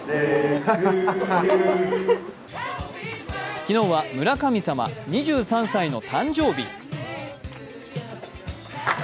昨日は村神様、２３歳の誕生日